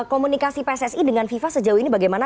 komunikasi pssi dengan fifa sejauh ini bagaimana